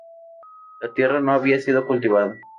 La tierra no había sido cultivada.